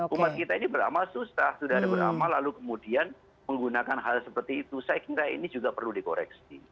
umat kita ini beramal susah sudah ada beramal lalu kemudian menggunakan hal seperti itu saya kira ini juga perlu dikoreksi